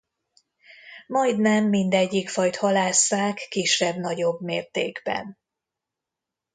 Majdnem mindegyik fajt halásszák kisebb-nagyobb mértékben.